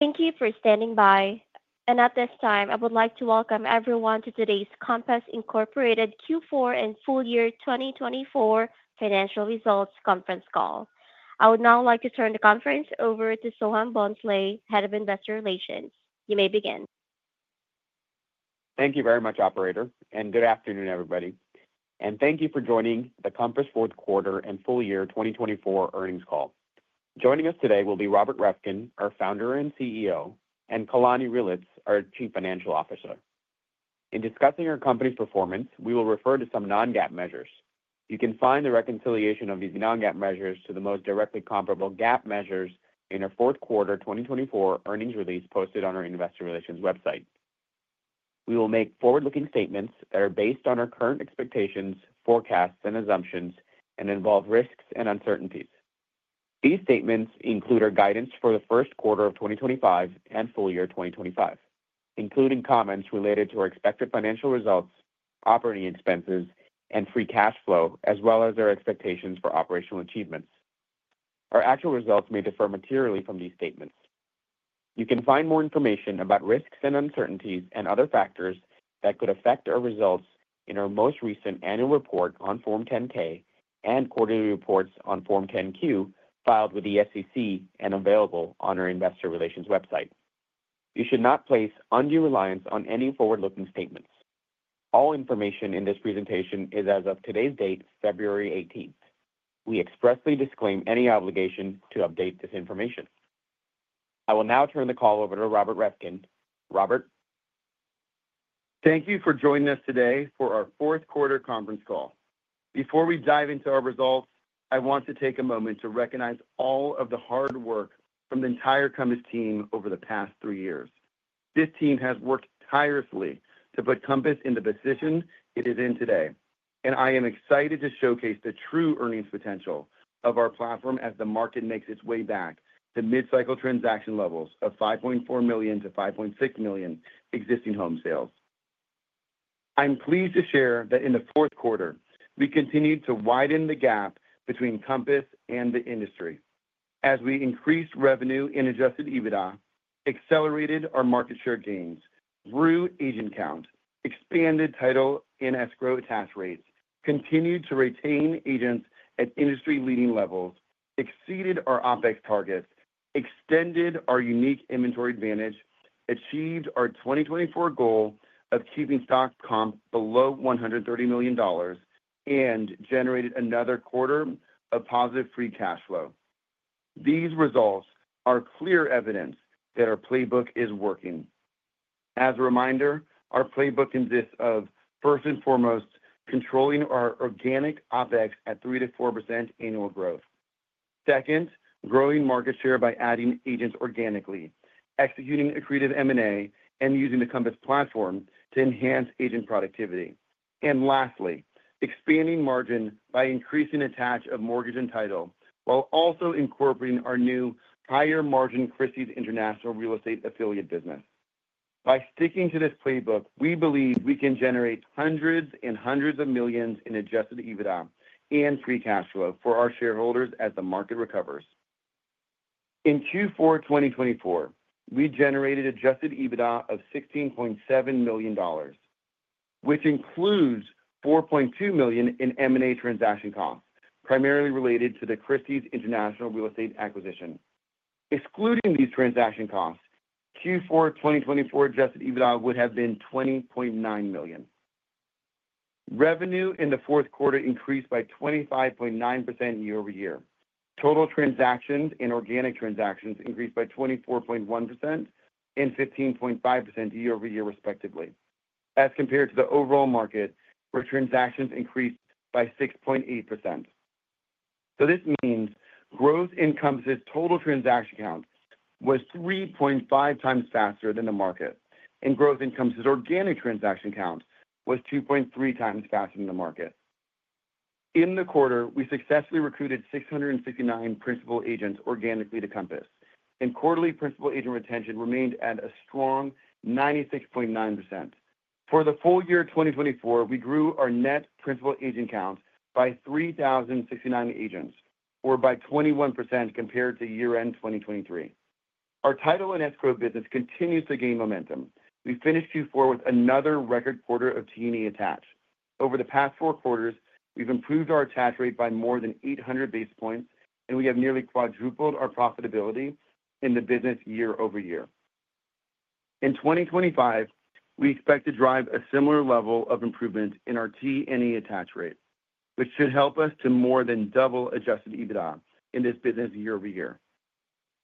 Thank you for standing by. And at this time, I would like to welcome everyone to today's Compass Incorporated Q4 and full year 2024 financial results conference call. I would now like to turn the conference over to Soham Bhonsle, Head of Investor Relations. You may begin. Thank you very much, Operator. And good afternoon, everybody. And thank you for joining the Compass fourth quarter and full year 2024 earnings call. Joining us today will be Robert Reffkin, our founder and CEO, and Kalani Reelitz, our Chief Financial Officer. In discussing our company's performance, we will refer to some non-GAAP measures. You can find the reconciliation of these non-GAAP measures to the most directly comparable GAAP measures in our fourth quarter 2024 earnings release posted on our Investor Relations website. We will make forward-looking statements that are based on our current expectations, forecasts, and assumptions, and involve risks and uncertainties. These statements include our guidance for the first quarter of 2025 and full year 2025, including comments related to our expected financial results, operating free cash flow, as well as our expectations for operational achievements. Our actual results may differ materially from these statements. You can find more information about risks and uncertainties and other factors that could affect our results in our most recent annual report on Form 10-K and quarterly reports on Form 10-Q filed with the SEC and available on our Investor Relations website. You should not place undue reliance on any forward-looking statements. All information in this presentation is, as of today's date, February 18th. We expressly disclaim any obligation to update this information. I will now turn the call over to Robert Reffkin. Robert. Thank you for joining us today for our fourth quarter conference call. Before we dive into our results, I want to take a moment to recognize all of the hard work from the entire Compass team over the past three years. This team has worked tirelessly to put Compass in the position it is in today, and I am excited to showcase the true earnings potential of our platform as the market makes its way back to mid-cycle transaction levels of 5.4 million-5.6 million existing home sales. I'm pleased to share that in the fourth quarter, we continued to widen the gap between Compass and the industry as we increased revenue in Adjusted EBITDA, accelerated our market share gains, grew agent count, expanded title and escrow attach rates, continued to retain agents at industry-leading levels, exceeded our OpEx targets, extended our unique inventory advantage, achieved our 2024 goal of keeping stock comp below $130 million, and generated another quarter free cash flow. these results are clear evidence that our playbook is working. As a reminder, our playbook consists of, first and foremost, controlling our organic OpEx at 3%-4% annual growth. Second, growing market share by adding agents organically, executing accretive M&A, and using the Compass platform to enhance agent productivity. And lastly, expanding margin by increasing attach of mortgage and title while also incorporating our new higher margin Christie's International Real Estate affiliate business. By sticking to this playbook, we believe we can generate hundreds and hundreds of millions in Adjusted free cash flow for our shareholders as the market recovers. In Q4 2024, we generated Adjusted EBITDA of $16.7 million, which includes $4.2 million in M&A transaction costs, primarily related to the Christie's International Real Estate acquisition. Excluding these transaction costs, Q4 2024 Adjusted EBITDA would have been $20.9 million. Revenue in the fourth quarter increased by 25.9% year-over-year. Total transactions and organic transactions increased by 24.1% and 15.5% year-over-year, respectively, as compared to the overall market, where transactions increased by 6.8%. This means gross income's total transaction count was 3.5 times faster than the market, and gross income's organic transaction count was 2.3 times faster than the market. In the quarter, we successfully recruited 669 Principal Agents organically to Compass, and quarterly Principal Agent retention remained at a strong 96.9%. For the full year 2024, we grew our net Principal Agent count by 3,069 agents, or by 21% compared to year-end 2023. Our title and escrow business continues to gain momentum. We finished Q4 with another record quarter of T&E attached. Over the past four quarters, we've improved our attach rate by more than 800 basis points, and we have nearly quadrupled our profitability in the business year-over-year. In 2025, we expect to drive a similar level of improvement in our T&E attach rate, which should help us to more than double Adjusted EBITDA in this business year-over-year.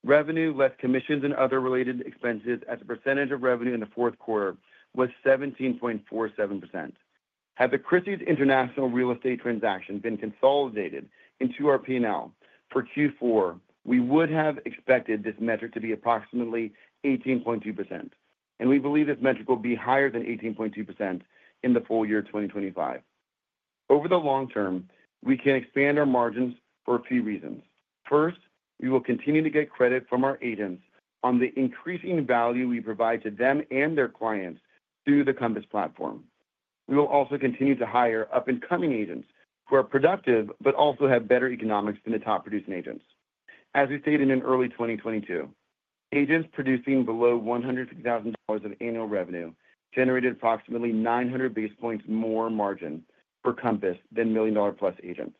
Revenue, less commissions and other related expenses, as a percentage of revenue in the fourth quarter was 17.47%. Had the Christie's International Real Estate transaction been consolidated into our P&L for Q4, we would have expected this metric to be approximately 18.2%, and we believe this metric will be higher than 18.2% in the full year 2025. Over the long term, we can expand our margins for a few reasons. First, we will continue to get credit from our agents on the increasing value we provide to them and their clients through the Compass platform. We will also continue to hire up-and-coming agents who are productive but also have better economics than the top-producing agents. As we stated in early 2022, agents producing below $150,000 of annual revenue generated approximately 900 basis points more margin for Compass than million-dollar-plus agents.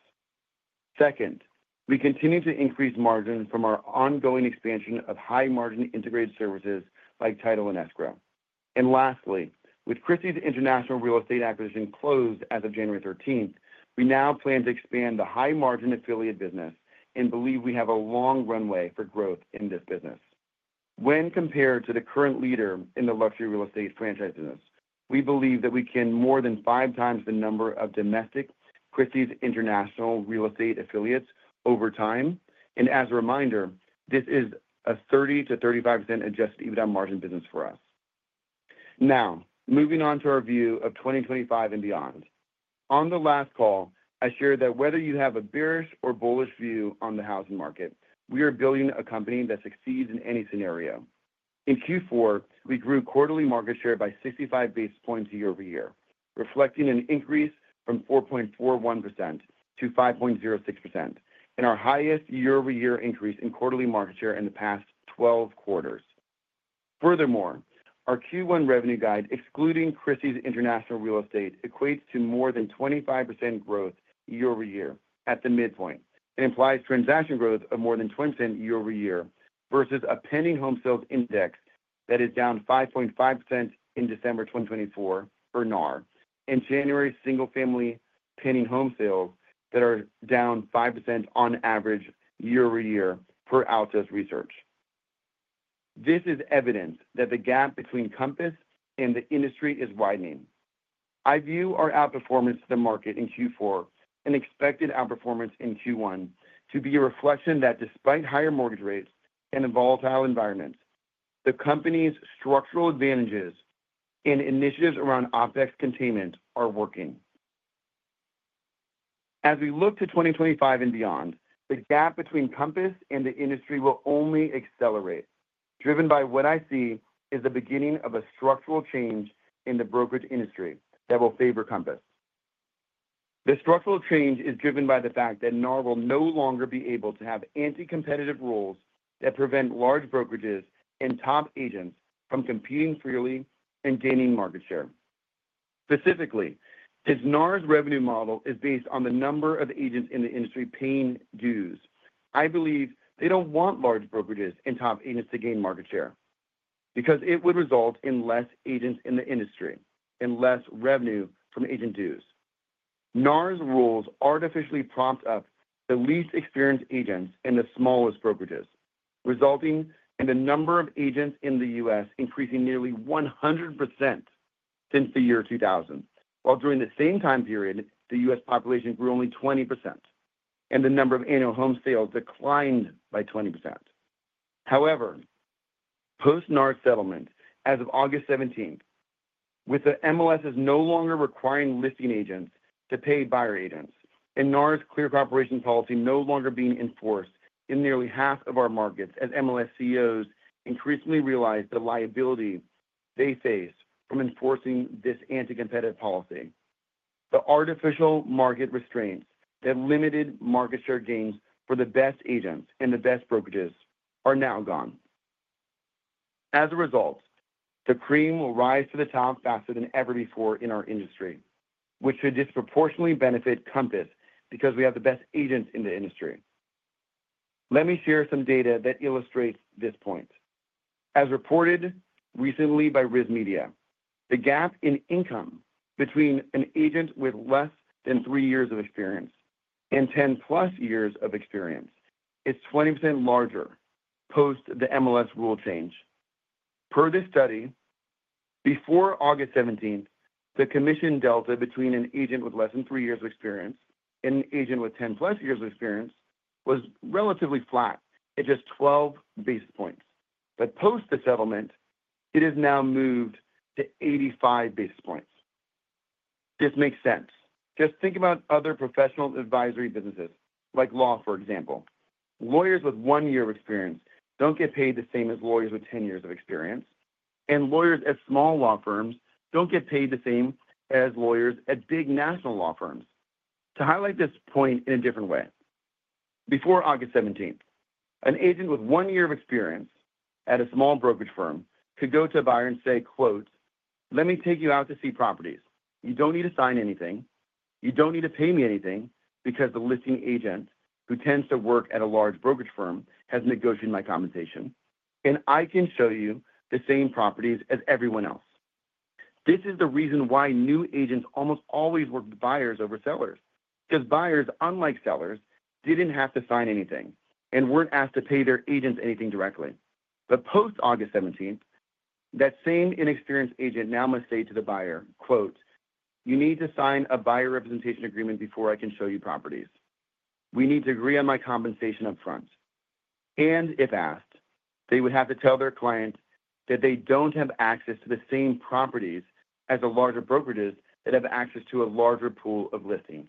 Second, we continue to increase margin from our ongoing expansion of high-margin integrated services like title and escrow. And lastly, with Christie's International Real Estate acquisition closed as of January 13th, we now plan to expand the high-margin affiliate business and believe we have a long runway for growth in this business. When compared to the current leader in the luxury real estate franchise business, we believe that we can more than five times the number of domestic Christie's International Real Estate affiliates over time. And as a reminder, this is a 30% to 35% Adjusted EBITDA margin business for us. Now, moving on to our view of 2025 and beyond. On the last call, I shared that whether you have a bearish or bullish view on the housing market, we are building a company that succeeds in any scenario. In Q4, we grew quarterly market share by 65 basis points year-over-year, reflecting an increase from 4.41% to 5.06%, and our highest year-over-year increase in quarterly market share in the past 12 quarters. Furthermore, our Q1 revenue guide, excluding Christie's International Real Estate, equates to more than 25% growth year-over-year at the midpoint. It implies transaction growth of more than 20% year-over-year versus a pending home sales index that is down 5.5% in December 2024 per NAR and January single-family pending home sales that are down 5% on average year-over-year per Altos Research. This is evidence that the gap between Compass and the industry is widening. I view our outperformance to the market in Q4 and expected outperformance in Q1 to be a reflection that despite higher mortgage rates and a volatile environment, the company's structural advantages and initiatives around OpEx containment are working. As we look to 2025 and beyond, the gap between Compass and the industry will only accelerate, driven by what I see is the beginning of a structural change in the brokerage industry that will favor Compass. The structural change is driven by the fact that NAR will no longer be able to have anti-competitive rules that prevent large brokerages and top agents from competing freely and gaining market share. Specifically, since NAR's revenue model is based on the number of agents in the industry paying dues, I believe they don't want large brokerages and top agents to gain market share because it would result in less agents in the industry and less revenue from agent dues. NAR's rules artificially prop up the least experienced agents and the smallest brokerages, resulting in the number of agents in the U.S. increasing nearly 100% since the year 2000, while during the same time period, the U.S. population grew only 20% and the number of annual home sales declined by 20%. However, post-NAR settlement, as of August 17th, with the MLS no longer requiring listing agents to pay buyer agents and NAR's Clear Cooperation Policy no longer being enforced in nearly half of our markets as MLS CEOs increasingly realize the liability they face from enforcing this anti-competitive policy, the artificial market restraints that limited market share gains for the best agents and the best brokerages are now gone. As a result, the cream will rise to the top faster than ever before in our industry, which should disproportionately benefit Compass because we have the best agents in the industry. Let me share some data that illustrates this point. As reported recently by RISMedia, the gap in income between an agent with less than three years of experience and 10-plus years of experience is 20% larger post the MLS rule change. Per this study, before August 17th, the commission delta between an agent with less than three years of experience and an agent with 10-plus years of experience was relatively flat at just 12 basis points. But post the settlement, it has now moved to 85 basis points. This makes sense. Just think about other professional advisory businesses, like law, for example. Lawyers with one year of experience don't get paid the same as lawyers with 10 years of experience, and lawyers at small law firms don't get paid the same as lawyers at big national law firms. To highlight this point in a different way, before August 17th, an agent with one year of experience at a small brokerage firm could go to a buyer and say, "Let me take you out to see properties. You don't need to sign anything. You don't need to pay me anything because the listing agent who tends to work at a large brokerage firm has negotiated my compensation, and I can show you the same properties as everyone else." This is the reason why new agents almost always work with buyers over sellers, because buyers, unlike sellers, didn't have to sign anything and weren't asked to pay their agents anything directly. But post-August 17th, that same inexperienced agent now must say to the buyer, "You need to sign a buyer representation agreement before I can show you properties. We need to agree on my compensation upfront." And if asked, they would have to tell their client that they don't have access to the same properties as the larger brokerages that have access to a larger pool of listings.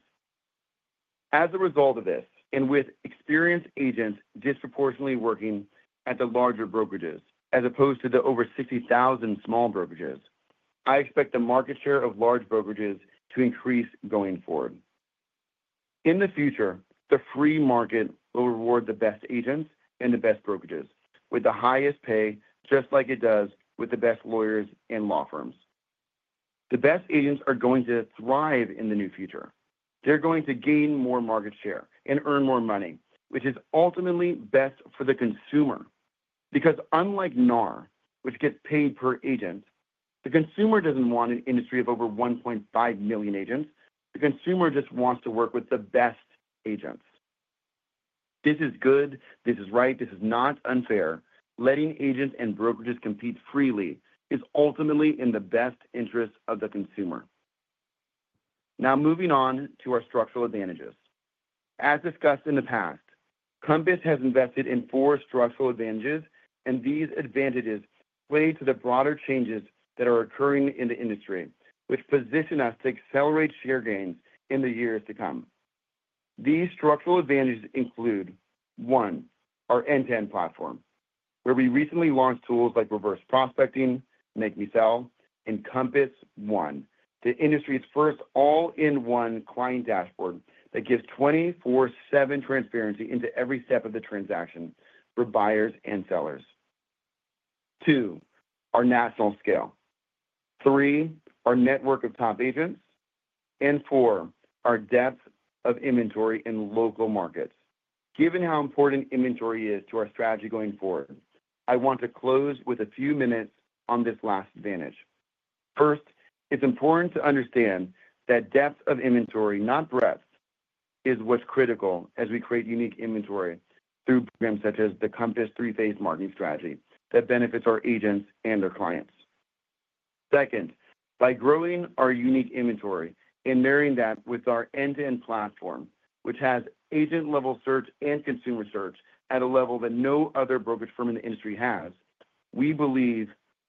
As a result of this, and with experienced agents disproportionately working at the larger brokerages as opposed to the over 60,000 small brokerages, I expect the market share of large brokerages to increase going forward. In the future, the free market will reward the best agents and the best brokerages with the highest pay, just like it does with the best lawyers and law firms. The best agents are going to thrive in the new future. They're going to gain more market share and earn more money, which is ultimately best for the consumer. Because unlike NAR, which gets paid per agent, the consumer doesn't want an industry of over 1.5 million agents. The consumer just wants to work with the best agents. This is good. This is right. This is not unfair. Letting agents and brokerages compete freely is ultimately in the best interest of the consumer. Now, moving on to our structural advantages. As discussed in the past, Compass has invested in four structural advantages, and these advantages play to the broader changes that are occurring in the industry, which position us to accelerate share gains in the years to come. These structural advantages include, one, our end-to-end platform, where we recently launched tools like Reverse Prospecting, Make Me Sell, and Compass One, the industry's first all-in-one client dashboard that gives 24/7 transparency into every step of the transaction for buyers and sellers. Two, our national scale. Three, our network of top agents. And four, our depth of inventory in local markets. Given how important inventory is to our strategy going forward, I want to close with a few minutes on this last advantage. First, it's important to understand that depth of inventory, not breadth, is what's critical as we create unique inventory through programs such as the Compass three-phase marketing strategy that benefits our agents and their clients. Second, by growing our unique inventory and marrying that with our end-to-end platform, which has agent-level search and consumer search at a level that no other brokerage firm in the industry has, we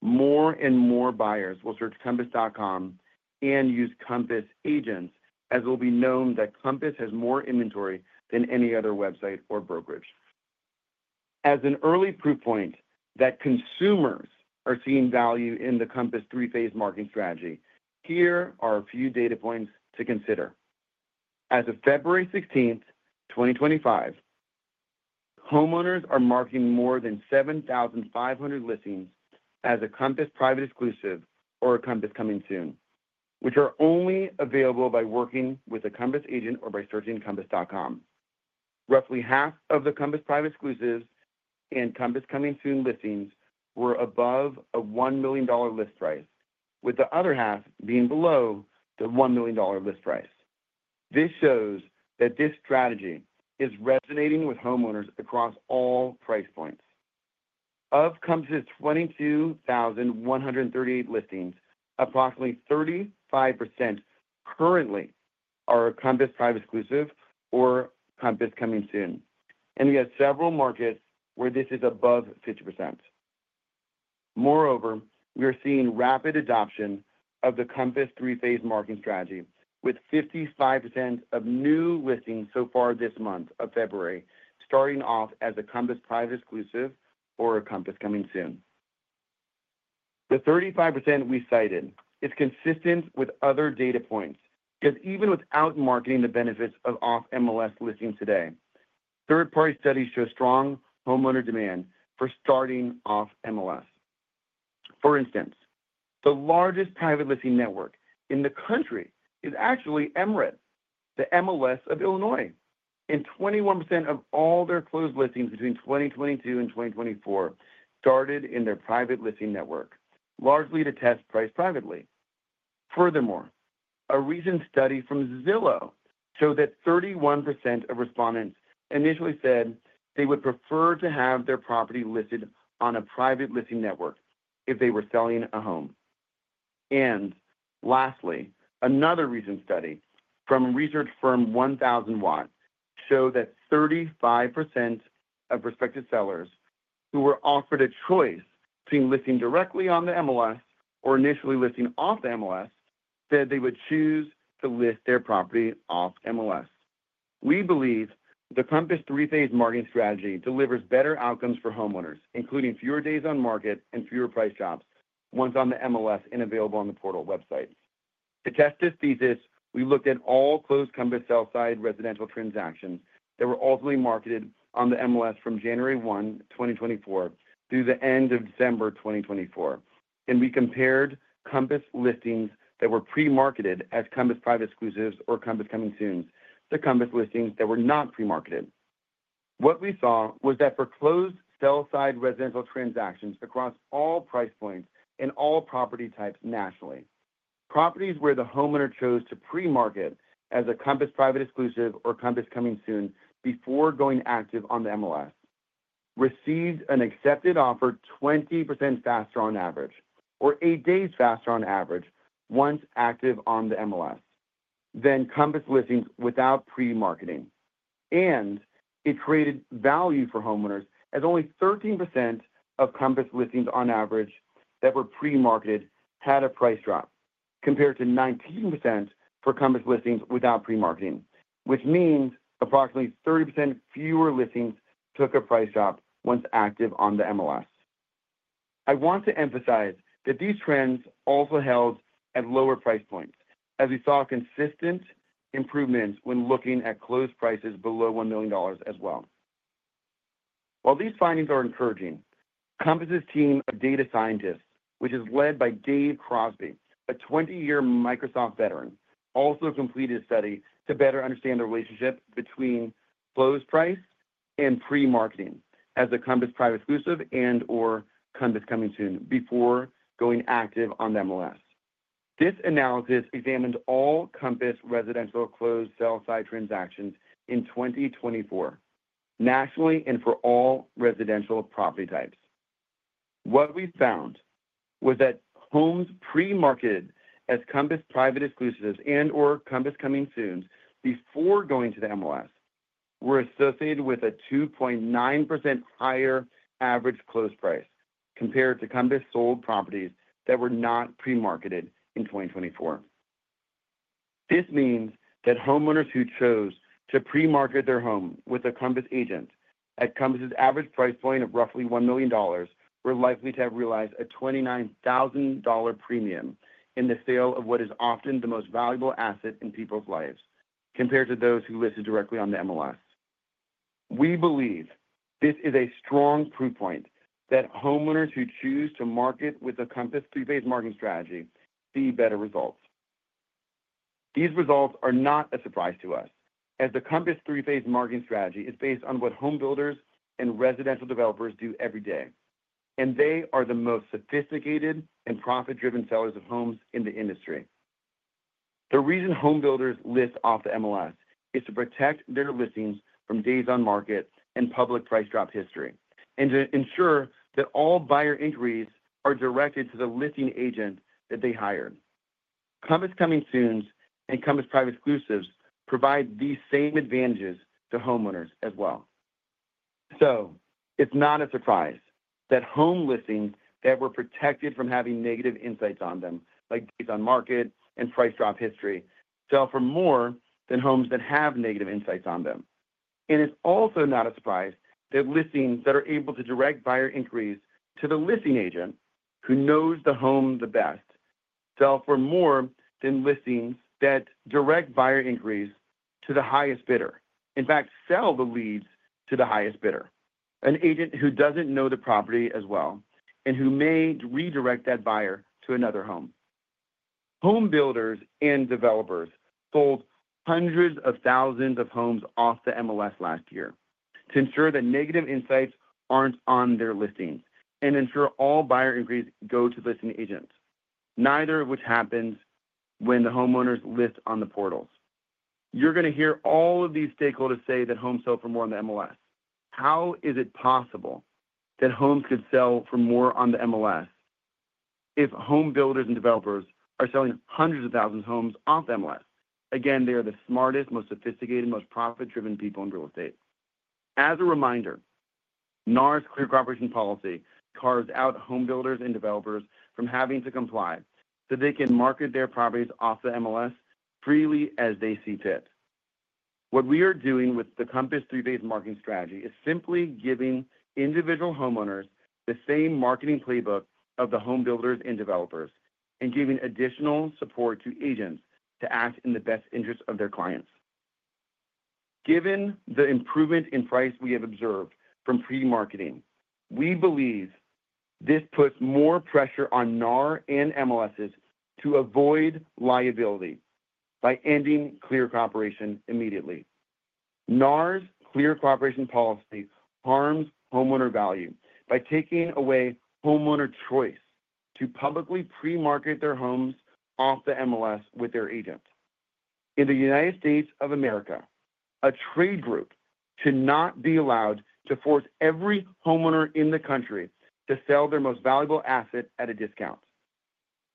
believe more and more buyers will search Compass.com and use Compass Agents, as it will be known that Compass has more inventory than any other website or brokerage. As an early proof point that consumers are seeing value in the Compass three-phase marketing strategy, here are a few data points to consider. As of February 16th, 2025, homeowners are marking more than 7,500 listings as a Compass Private Exclusive or a Compass Coming Soon, which are only available by working with a Compass agent or by searching compass.com. Roughly half of the Compass Private Exclusives and Compass Coming Soon listings were above a $1 million list price, with the other half being below the $1 million list price. This shows that this strategy is resonating with homeowners across all price points. Of Compass's 22,138 listings, approximately 35% currently are a Compass Private Exclusive or Compass Coming Soon, and we have several markets where this is above 50%. Moreover, we are seeing rapid adoption of the Compass three-phase marketing strategy, with 55% of new listings so far this month of February starting off as a Compass Private Exclusive or a Compass Coming Soon. The 35% we cited is consistent with other data points because even without marketing the benefits of off-MLS listings today, third-party studies show strong homeowner demand for starting off-MLS. For instance, the largest private listing network in the country is actually MRED, the MLS of Illinois. And 21% of all their closed listings between 2022 and 2024 started in their private listing network, largely to test price privately. Furthermore, a recent study from Zillow showed that 31% of respondents initially said they would prefer to have their property listed on a private listing network if they were selling a home. And lastly, another recent study from research firm 1000watt showed that 35% of prospective sellers who were offered a choice between listing directly on the MLS or initially listing off the MLS said they would choose to list their property off-MLS. We believe the Compass three-phase marketing strategy delivers better outcomes for homeowners, including fewer days on market and fewer price drops once on the MLS and available on the portal website. To test this thesis, we looked at all closed Compass sell-side residential transactions that were ultimately marketed on the MLS from January 1, 2024, through the end of December 2024, and we compared Compass listings that were pre-marketed as Compass Private Exclusives or Compass Coming Soons to Compass listings that were not pre-marketed. What we saw was that for closed sell-side residential transactions across all price points and all property types nationally, properties where the homeowner chose to pre-market as a Compass Private Exclusive or Compass Coming Soon before going active on the MLS received an accepted offer 20% faster on average or eight days faster on average once active on the MLS than Compass listings without pre-marketing. It created value for homeowners as only 13% of Compass listings on average that were pre-marketed had a price drop compared to 19% for Compass listings without pre-marketing, which means approximately 30% fewer listings took a price drop once active on the MLS. I want to emphasize that these trends also held at lower price points, as we saw consistent improvements when looking at closed prices below $1 million as well. While these findings are encouraging, Compass's team of data scientists, which is led by Dave Crosby, a 20-year Microsoft veteran, also completed a study to better understand the relationship between closed price and pre-marketing as a Compass Private Exclusive and/or Compass Coming Soon before going active on the MLS. This analysis examined all Compass residential closed sell-side transactions in 2024 nationally and for all residential property types. What we found was that homes pre-marketed as Compass Private Exclusives and/or Compass Coming Soons before going to the MLS were associated with a 2.9% higher average closed price compared to Compass sold properties that were not pre-marketed in 2024. This means that homeowners who chose to pre-market their home with a Compass agent at Compass's average price point of roughly $1 million were likely to have realized a $29,000 premium in the sale of what is often the most valuable asset in people's lives compared to those who listed directly on the MLS. We believe this is a strong proof point that homeowners who choose to market with a Compass three-phase marketing strategy see better results. These results are not a surprise to us, as the Compass three-phase marketing strategy is based on what home builders and residential developers do every day, and they are the most sophisticated and profit-driven sellers of homes in the industry. The reason home builders list off the MLS is to protect their listings from days on market and public price drop history and to ensure that all buyer inquiries are directed to the listing agent that they hired. Compass Coming Soons and Compass Private Exclusives provide these same advantages to homeowners as well. It's not a surprise that home listings that were protected from having negative insights on them, like days on market and price drop history, sell for more than homes that have negative insights on them. It's also not a surprise that listings that are able to direct buyer inquiries to the listing agent who knows the home the best sell for more than listings that direct buyer inquiries to the highest bidder. In fact, sell the leads to the highest bidder, an agent who doesn't know the property as well and who may redirect that buyer to another home. Home builders and developers sold hundreds of thousands of homes off the MLS last year to ensure that negative insights aren't on their listings and ensure all buyer inquiries go to listing agents, neither of which happens when the homeowners list on the portals. You're going to hear all of these stakeholders say that homes sell for more on the MLS. How is it possible that homes could sell for more on the MLS if home builders and developers are selling hundreds of thousands of homes off the MLS? Again, they are the smartest, most sophisticated, most profit-driven people in real estate. As a reminder, NAR's Clear Cooperation Policy carves out home builders and developers from having to comply so they can market their properties off the MLS freely as they see fit. What we are doing with the Compass three-phase marketing strategy is simply giving individual homeowners the same marketing playbook of the home builders and developers and giving additional support to agents to act in the best interest of their clients. Given the improvement in price we have observed from pre-marketing, we believe this puts more pressure on NAR and MLSs to avoid liability by ending Clear Cooperation immediately. NAR's Clear Cooperation Policy harms homeowner value by taking away homeowner choice to publicly pre-market their homes off the MLS with their agent. In the United States of America, a trade group should not be allowed to force every homeowner in the country to sell their most valuable asset at a discount.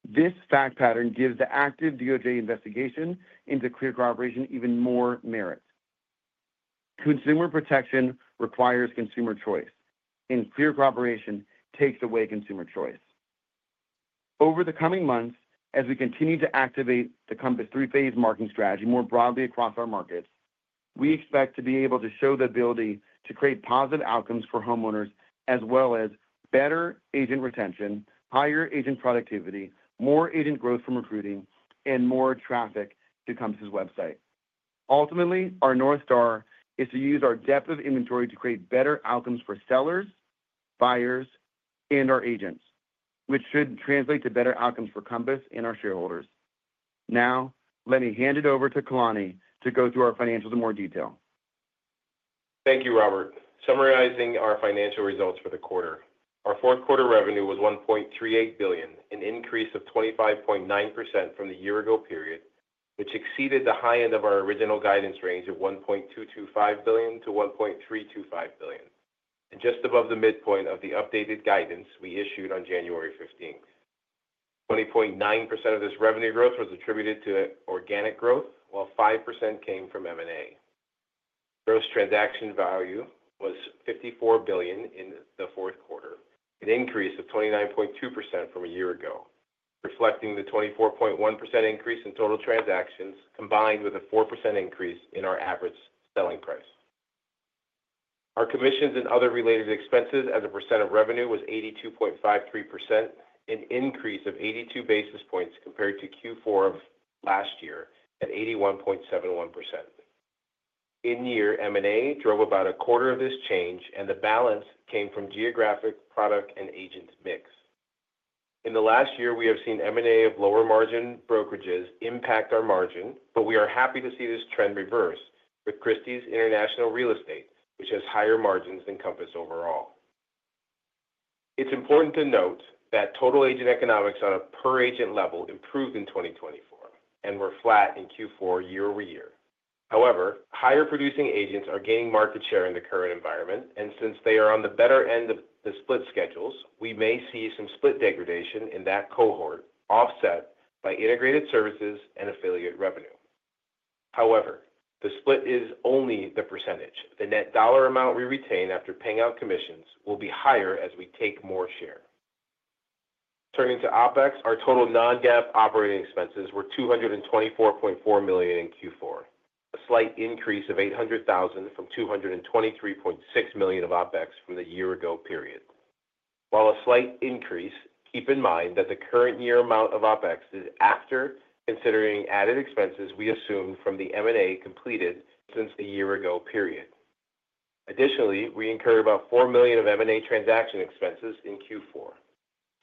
This fact pattern gives the active DOJ investigation into Clear Cooperation even more merit. Consumer protection requires consumer choice, and Clear Cooperation takes away consumer choice. Over the coming months, as we continue to activate the Compass three-phase marketing strategy more broadly across our markets, we expect to be able to show the ability to create positive outcomes for homeowners as well as better agent retention, higher agent productivity, more agent growth from recruiting, and more traffic to Compass's website. Ultimately, our North Star is to use our depth of inventory to create better outcomes for sellers, buyers, and our agents, which should translate to better outcomes for Compass and our shareholders. Now, let me hand it over to Kalani to go through our financials in more detail. Thank you, Robert. Summarizing our financial results for the quarter, our fourth quarter revenue was $1.38 billion, an increase of 25.9% from the year-ago period, which exceeded the high end of our original guidance range of $1.225 billion-$1.325 billion, and just above the midpoint of the updated guidance we issued on January 15th. 20.9% of this revenue growth was attributed to organic growth, while 5% came from M&A. Gross Transaction Value was $54 billion in the fourth quarter, an increase of 29.2% from a year ago, reflecting the 24.1% increase in total transactions combined with a 4% increase in our average selling price. Our commissions and other related expenses as a percent of revenue was 82.53%, an increase of 82 basis points compared to Q4 of last year at 81.71%. In year, M&A drove about a quarter of this change, and the balance came from geographic product and agent mix. In the last year, we have seen M&A of lower margin brokerages impact our margin, but we are happy to see this trend reverse with Christie's International Real Estate, which has higher margins than Compass overall. It's important to note that total agent economics on a per-agent level improved in 2024 and were flat in Q4 year-over-year. However, higher-producing agents are gaining market share in the current environment, and since they are on the better end of the split schedules, we may see some split degradation in that cohort offset by integrated services and affiliate revenue. However, the split is only the percentage. The net dollar amount we retain after paying out commissions will be higher as we take more share. Turning to OpEx, our total non-GAAP operating expenses were $224.4 million in Q4, a slight increase of $800,000 from $223.6 million of OpEx from the year-ago period. While a slight increase, keep in mind that the current year amount of OpEx is after considering added expenses we assumed from the M&A completed since the year-ago period. Additionally, we incurred about $4 million of M&A transaction expenses in Q4.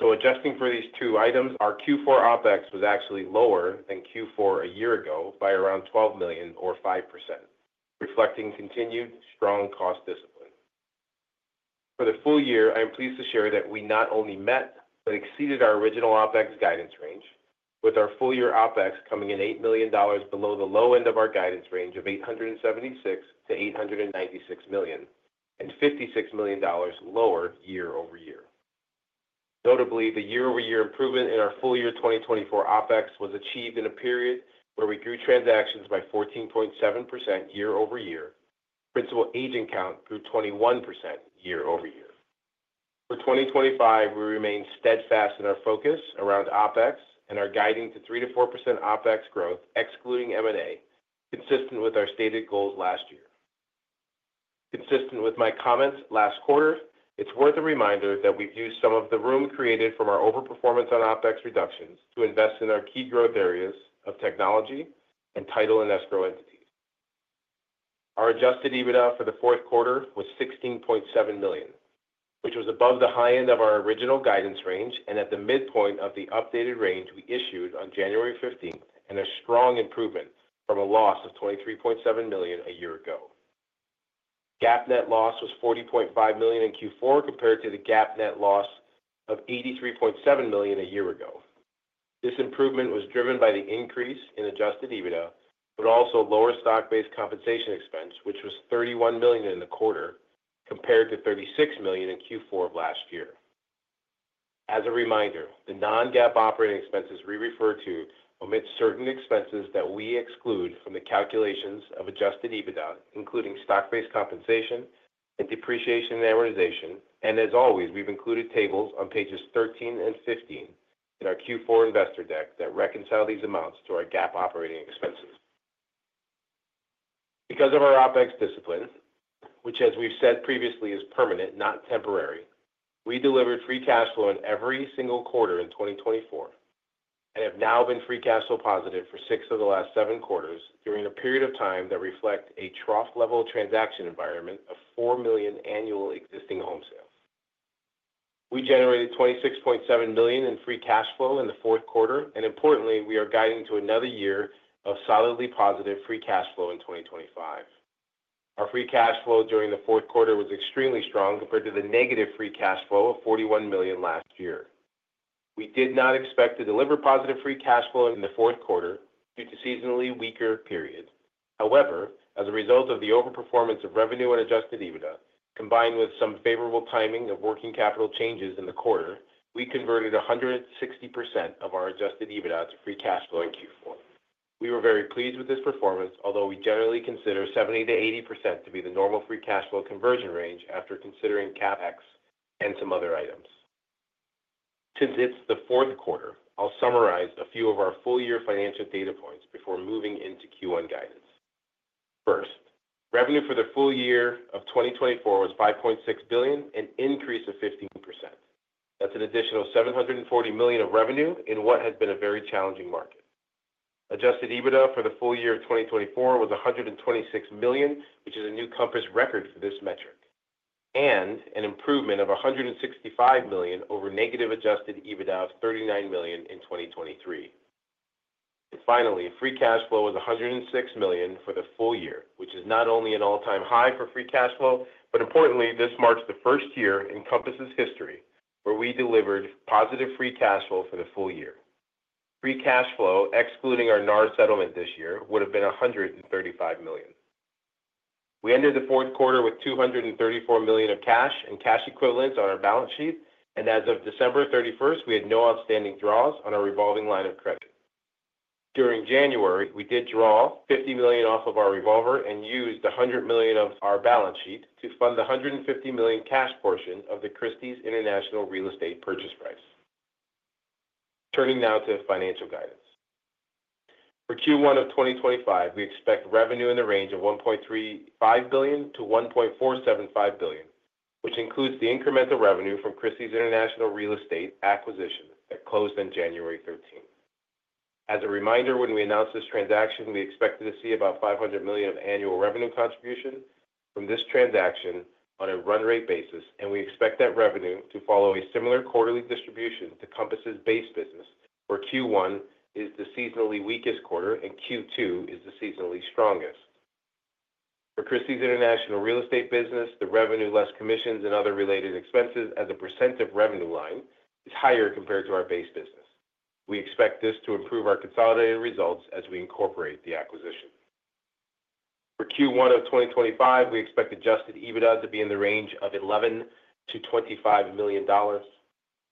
So adjusting for these two items, our Q4 OpEx was actually lower than Q4 a year ago by around $12 million, or 5%, reflecting continued strong cost discipline. For the full year, I am pleased to share that we not only met but exceeded our original OpEx guidance range, with our full year OpEx coming in $8 million below the low end of our guidance range of $876 million-$896 million and $56 million lower year-over-year. Notably, the year-over-year improvement in our full year 2024 OpEx was achieved in a period where we grew transactions by 14.7% year-over-year. Principal Agent count grew 21% year-over-year. For 2025, we remain steadfast in our focus around OpEx and our guiding to 3%-4% OpEx growth, excluding M&A, consistent with our stated goals last year. Consistent with my comments last quarter, it's worth a reminder that we've used some of the room created from our overperformance on OpEx reductions to invest in our key growth areas of technology and title and escrow entities. Our Adjusted EBITDA for the fourth quarter was $16.7 million, which was above the high end of our original guidance range and at the midpoint of the updated range we issued on January 15th, and a strong improvement from a loss of $23.7 million a year ago. GAAP net loss was $40.5 million in Q4 compared to the GAAP net loss of $83.7 million a year ago. This improvement was driven by the increase in Adjusted EBITDA, but also lower stock-based compensation expense, which was $31 million in the quarter compared to $36 million in Q4 of last year. As a reminder, the non-GAAP operating expenses we refer to omit certain expenses that we exclude from the calculations of Adjusted EBITDA, including stock-based compensation and depreciation amortization, and as always, we've included tables on pages 13 and 15 in our Q4 investor deck that reconcile these amounts to our GAAP operating expenses. Because of our OpEx discipline, which, as we've said previously, is permanent, not temporary, free cash flow in every single quarter in 2024 and have free cash flow positive for six of the last seven quarters during a period of time that reflects a trough level transaction environment of 4 million annual existing home sales. We generated $26.7 million free cash flow in the fourth quarter, and importantly, we are guiding to another year of free cash flow during the fourth quarter was extremely strong compared to free cash flow of $41 million last year. We did not expect to free cash flow in the fourth quarter due to seasonally weaker periods. However, as a result of the overperformance of revenue and Adjusted EBITDA, combined with some favorable timing of working capital changes in the quarter, we converted 160% of our Adjusted free cash flow in Q4. We were very pleased with this performance, although we generally consider 70%-80% to be free cash flow conversion range after considering CapEx and some other items. Since it's the fourth quarter, I'll summarize a few of our full year financial data points before moving into Q1 guidance. First, revenue for the full year of 2024 was $5.6 billion, an increase of 15%. That's an additional $740 million of revenue in what has been a very challenging market. Adjusted EBITDA for the full year of 2024 was $126 million, which is a new Compass record for this metric, and an improvement of $165 million over negative Adjusted EBITDA of $39 million in free cash flow was $106 million for the full year, which is not only an all-time free cash flow, but importantly, this marks the first year in Compass's history where we delivered positive free cash flow for the full year, excluding our NAR settlement this year, would have been $135 million. We ended the fourth quarter with $234 million of cash and cash equivalents on our balance sheet, and as of December 31st, we had no outstanding draws on our revolving line of credit. During January, we did draw $50 million off of our revolver and used $100 million of our balance sheet to fund the $150 million cash portion of the Christie's International Real Estate purchase price. Turning now to financial guidance. For Q1 of 2025, we expect revenue in the range of $1.35 billion-$1.475 billion, which includes the incremental revenue from Christie's International Real Estate acquisition that closed on January 13th. As a reminder, when we announced this transaction, we expected to see about $500 million of annual revenue contribution from this transaction on a run rate basis, and we expect that revenue to follow a similar quarterly distribution to Compass's base business, where Q1 is the seasonally weakest quarter and Q2 is the seasonally strongest. For Christie's International Real Estate business, the revenue less commissions and other related expenses as a % of revenue line is higher compared to our base business. We expect this to improve our consolidated results as we incorporate the acquisition. For Q1 of 2025, we expect Adjusted EBITDA to be in the range of $11 million-$25 million.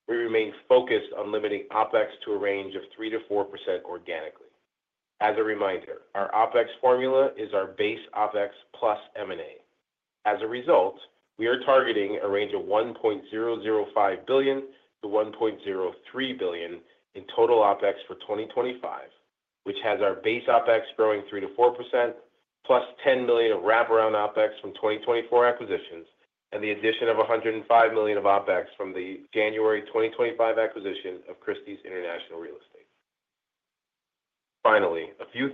We remain focused on limiting OpEx to a range of 3%-4% organically. As a reminder, our OpEx formula is our base OpEx plus M&A. As a result, we are targeting a range of $1.005 billion-$1.03 billion in total OpEx for 2025, which has our base OpEx growing 3%-4%, plus $10 million of wraparound OpEx from 2024 acquisitions and the addition of $105 million of OpEx from the January 2025 acquisition of Christie's International Real Estate. Finally, a few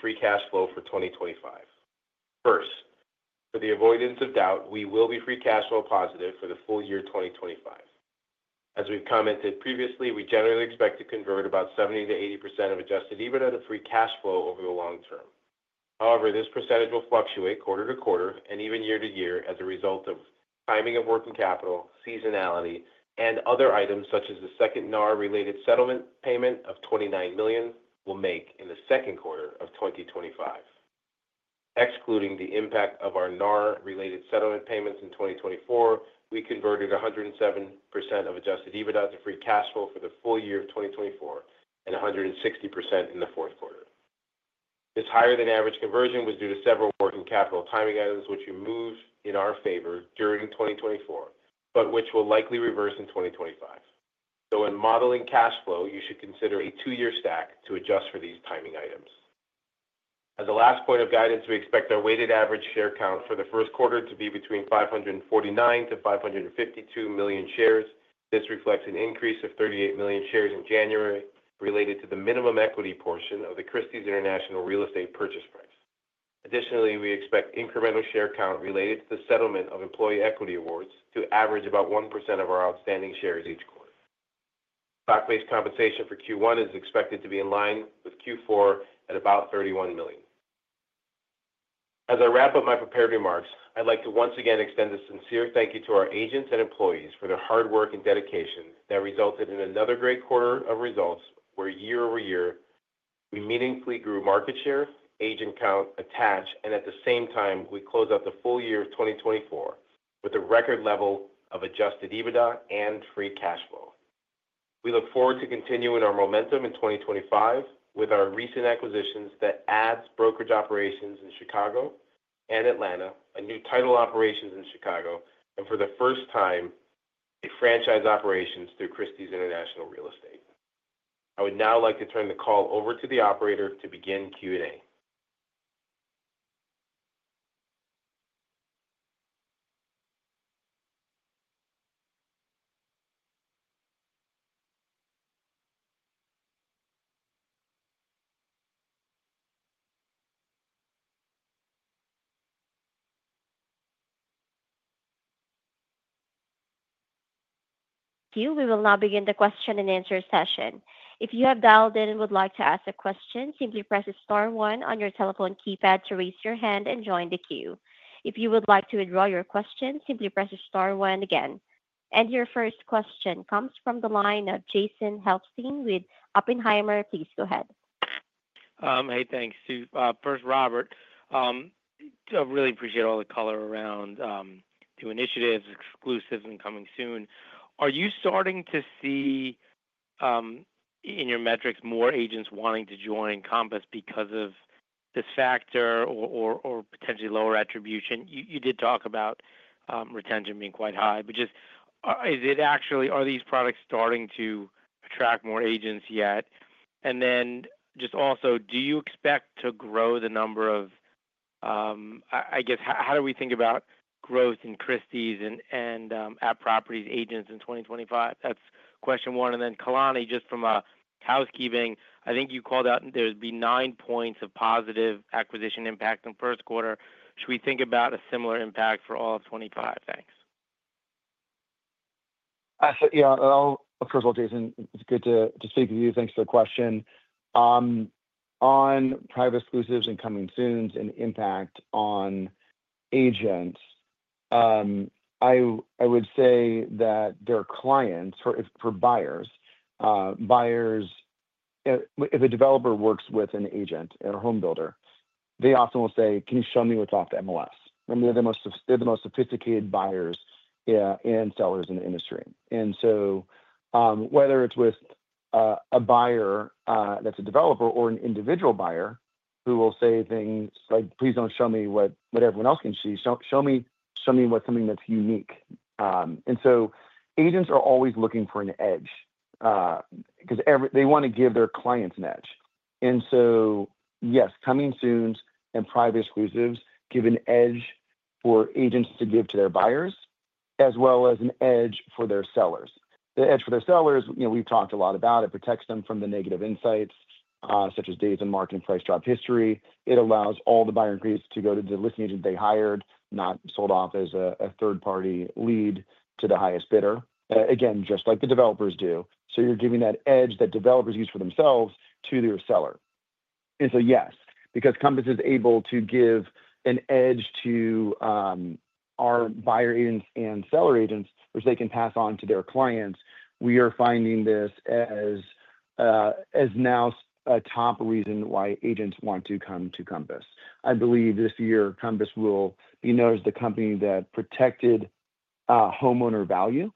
free cash flow for 2025. First, for the avoidance of doubt, we free cash flow positive for the full year 2025. As we've commented previously, we generally expect to convert about 70%-80% of Adjusted free cash flow over the long term. However, this percentage will fluctuate quarter to quarter and even year to year as a result of timing of working capital, seasonality, and other items such as the second NAR-related settlement payment of $29 million we'll make in the second quarter of 2025. Excluding the impact of our NAR-related settlement payments in 2024, we converted 107% of Adjusted free cash flow for the full year of 2024 and 160% in the fourth quarter. This higher-than-average conversion was due to several working capital timing items, which we moved in our favor during 2024, but which will likely reverse in 2025. So when modeling cash flow, you should consider a two-year stack to adjust for these timing items. As a last point of guidance, we expect our weighted average share count for the first quarter to be between 549 million-552 million shares. This reflects an increase of 38 million shares in January related to the minimum equity portion of the Christie's International Real Estate purchase price. Additionally, we expect incremental share count related to the settlement of employee equity awards to average about 1% of our outstanding shares each quarter. Stock-based compensation for Q1 is expected to be in line with Q4 at about $31 million. As I wrap up my prepared remarks, I'd like to once again extend a sincere thank you to our agents and employees for their hard work and dedication that resulted in another great quarter of results where, year-over-year, we meaningfully grew market share, agent count attached, and at the same time, we close out the full year of 2024 with a record level of Adjusted EBITDA and free cash flow. We look forward to continuing our momentum in 2025 with our recent acquisitions that adds brokerage operations in Chicago and Atlanta, a new title operations in Chicago, and for the first time, a franchise operations through Christie's International Real Estate. I would now like to turn the call over to the operator to begin Q&A. We will now begin the question and answer session. If you have dialed in and would like to ask a question, simply press the star one on your telephone keypad to raise your hand and join the queue. If you would like to withdraw your question, simply press the star one again. And your first question comes from the line of Jason Helfstein with Oppenheimer. Please go ahead. Hey, thanks, So. First, Robert. I really appreciate all the color around new initiatives, Exclusives, and Coming Soon. Are you starting to see in your metrics more agents wanting to join Compass because of this factor or potentially lower attrition? You did talk about retention being quite high, but just, is it actually are these products starting to attract more agents yet? And then just also, do you expect to grow the number of, I guess, how do we think about growth in Christie's and @properties agents in 2025? That's question one. And then Kalani, just from a housekeeping, I think you called out there would be nine points of positive acquisition impact in the first quarter. Should we think about a similar impact for all of 2025? Thanks. Yeah. First of all, Jason, it's good to speak with you. Thanks for the question. On Private Exclusives and Coming Soons and impact on agents, I would say that their clients, for buyers, buyers, if a developer works with an agent or a Homebuilder, they often will say, "Can you show me what's off the MLS?" They're the most sophisticated buyers and sellers in the industry. And so whether it's with a buyer that's a developer or an individual buyer who will say things like, "Please don't show me what everyone else can see. Show me what's something that's unique." And so agents are always looking for an edge because they want to give their clients an edge. And so yes, Coming Soons and Private Exclusives give an edge for agents to give to their buyers as well as an edge for their sellers. The edge for their sellers, we've talked a lot about it. It protects them from the negative insights such as days on market and price drop history. It allows all the buyers and agents to go to the listing agent they hired, not sold off as a third-party lead to the highest bidder, again, just like the developers do. So you're giving that edge that developers use for themselves to their seller. And so yes, because Compass is able to give an edge to our buyer agents and seller agents, which they can pass on to their clients, we are finding this as now a top reason why agents want to come to Compass. I believe this year, Compass will be known as the company that protected homeowner value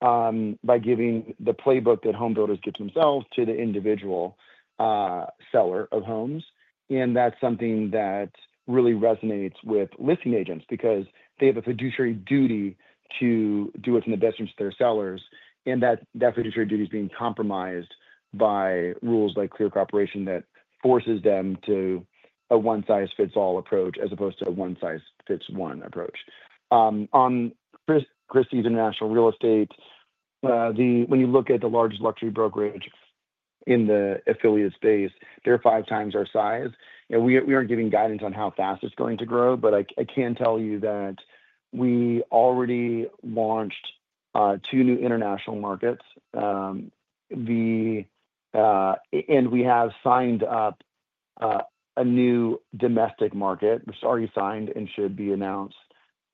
by giving the playbook that homebuilders give to themselves to the individual seller of homes. That's something that really resonates with listing agents because they have a fiduciary duty to do what's in the best interest of their sellers, and that fiduciary duty is being compromised by rules like Clear Cooperation that forces them to a one-size-fits-all approach as opposed to a one-size-fits-one approach. On Christie's International Real Estate, when you look at the largest luxury brokerage in the affiliate space, they're five times our size. We aren't giving guidance on how fast it's going to grow, but I can tell you that we already launched two new international markets, and we have signed up a new domestic market, which is already signed and should be announced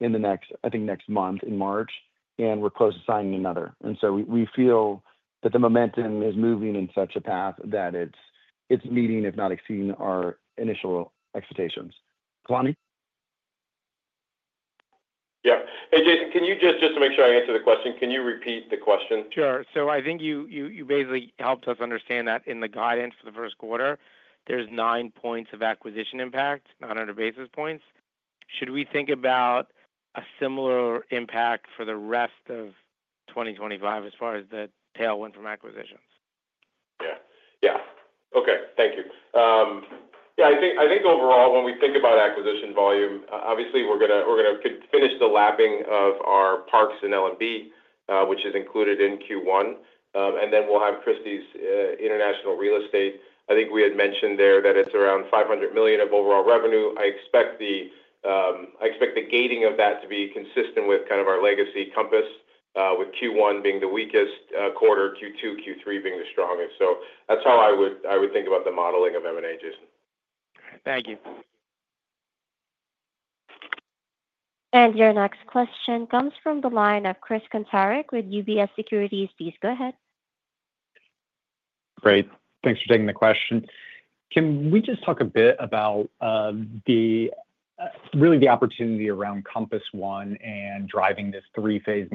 in the next, I think, next month in March, and we're close to signing another. So we feel that the momentum is moving in such a path that it's meeting, if not exceeding, our initial expectations. Kalani? Yeah. Hey, Jason, just to make sure I answer the question, can you repeat the question? Sure. So I think you basically helped us understand that in the guidance for the first quarter, there's nine points of acquisition impact, 900 basis points. Should we think about a similar impact for the rest of 2025 as far as the tailwind from acquisitions? Yeah. Yeah. Okay. Thank you. Yeah. I think overall, when we think about acquisition volume, obviously, we're going to finish the lapping of our Parks and L&B, which is included in Q1, and then we'll have Christie's International Real Estate. I think we had mentioned there that it's around $500 million of overall revenue. I expect the weighting of that to be consistent with kind of our legacy Compass, with Q1 being the weakest quarter, Q2, Q3 being the strongest. So that's how I would think about the modeling of M&A, Jason. Thank you. And your next question comes from the line of Chris Kuntarich with UBS Securities. Please go ahead. Great. Thanks for taking the question. Can we just talk a bit about really the opportunity around Compass One and driving this three-phase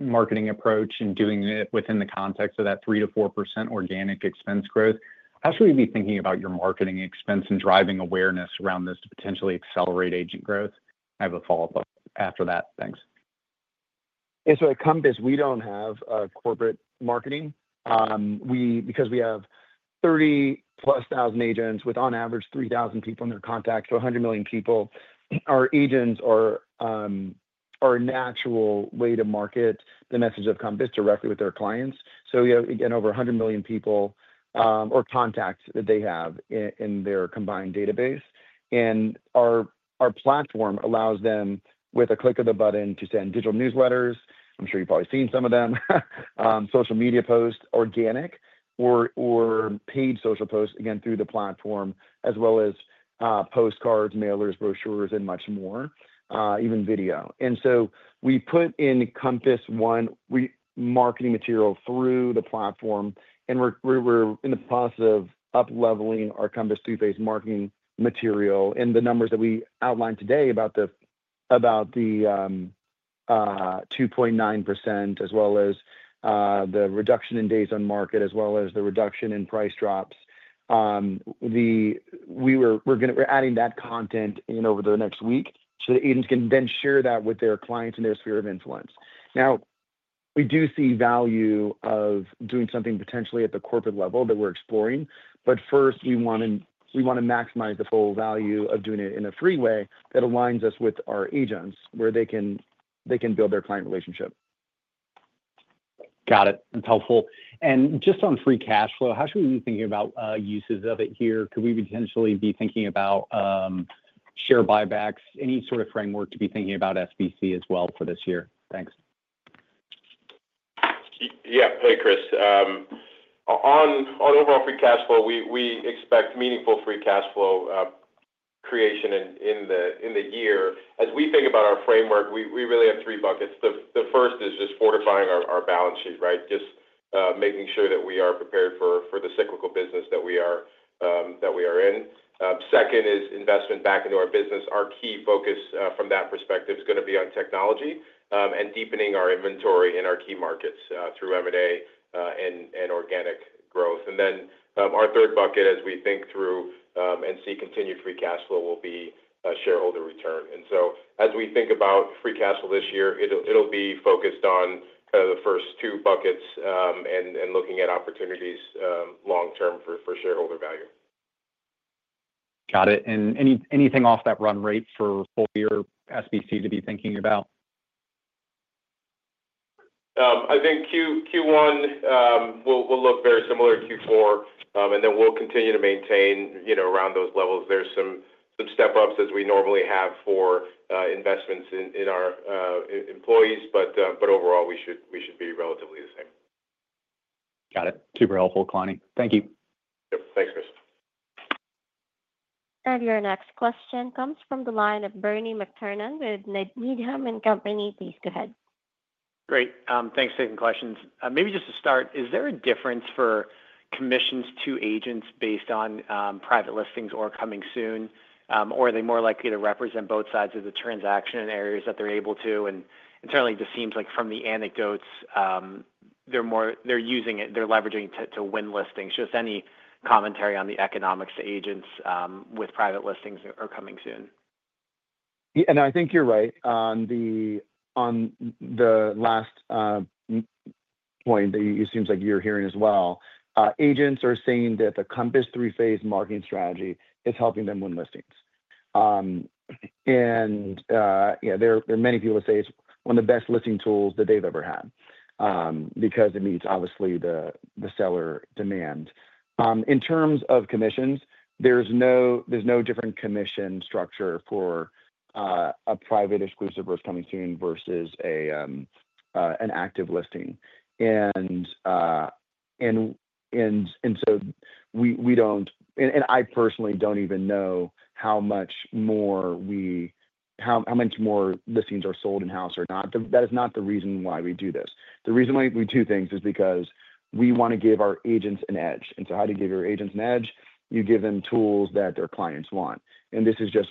marketing approach and doing it within the context of that 3%-4% organic expense growth? How should we be thinking about your marketing expense and driving awareness around this to potentially accelerate agent growth? I have a follow-up after that. Thanks. Yeah. So at Compass, we don't have corporate marketing because we have 30-plus thousand agents with, on average, 3,000 people in their contacts, so 100 million people. Our agents are an actual way to market the message of Compass directly with their clients. So we have, again, over 100 million people or contacts that they have in their combined database. And our platform allows them, with a click of the button, to send digital newsletters. I'm sure you've probably seen some of them, social media posts, organic or paid social posts, again, through the platform, as well as postcards, mailers, brochures, and much more, even video. So we put in Compass One marketing material through the platform, and we're in the process of up-leveling our Compass two-phase marketing material and the numbers that we outlined today about the 2.9% as well as the reduction in days on market as well as the reduction in price drops. We're adding that content over the next week so that agents can then share that with their clients in their sphere of influence. Now, we do see value of doing something potentially at the corporate level that we're exploring, but first, we want to maximize the full value of doing it in a free way that aligns us with our agents where they can build their client relationship. Got it. That's helpful. And free cash flow, how should we be thinking about uses of it here? Could we potentially be thinking about share buybacks, any sort of framework to be thinking about SBC as well for this year? Thanks. Yeah. Hey, Chris. free cash flow creation in the year. As we think about our framework, we really have three buckets. The first is just fortifying our balance sheet, right, just making sure that we are prepared for the cyclical business that we are in. Second is investment back into our business. Our key focus from that perspective is going to be on technology and deepening our inventory in our key markets through M&A and organic growth. And then our third bucket, as we think through and free cash flow, will be shareholder return. And so as we free cash flow this year, it'll be focused on kind of the first two buckets and looking at opportunities long-term for shareholder value. Got it. And anything off that run rate for full-year SBC to be thinking about? I think Q1 will look very similar to Q4, and then we'll continue to maintain around those levels. There's some step-ups as we normally have for investments in our employees, but overall, we should be relatively the same. Got it. Super helpful, Kalani. Thank you. Yep. Thanks, Chris. Your next question comes from the line of Bernie McTernan with Needham & Company. Please go ahead. Great. Thanks for taking questions. Maybe just to start, is there a difference for commissions to agents based on Private Listings or Coming Soon, or are they more likely to represent both sides of the transaction in areas that they're able to, and certainly, it just seems like from the anecdotes, they're using it, they're leveraging it to win listings. Just any commentary on the economics to agents with Private Listings or Coming Soon? Yeah. And I think you're right on the last point that it seems like you're hearing as well. Agents are saying that the Compass three-phase marketing strategy is helping them win listings. And yeah, there are many people who say it's one of the best listing tools that they've ever had because it meets, obviously, the seller demand. In terms of commissions, there's no different commission structure for a Private Exclusive versus Coming Soon versus an active listing. And so we don't, and I personally don't even know how much more listings are sold in-house or not. That is not the reason why we do this. The reason why we do things is because we want to give our agents an edge. And so how do you give your agents an edge? You give them tools that their clients want. This is just